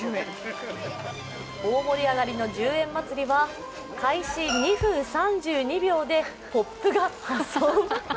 大盛り上がりの１０円祭りは開始２分３２秒でポップが破損。